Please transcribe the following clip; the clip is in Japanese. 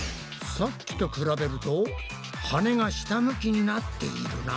さっきと比べると羽が下向きになっているな。